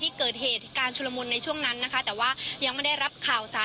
เกิดเหตุการณ์ชุลมุนในช่วงนั้นนะคะแต่ว่ายังไม่ได้รับข่าวสาร